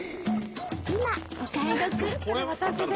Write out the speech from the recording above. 今お買い得。